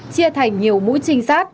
chia thành nhiều mũi trinh sát